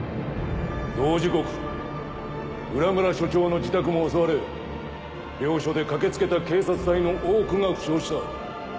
同時刻浦村署長の自宅も襲われ両所で駆け付けた警察隊の多くが負傷した。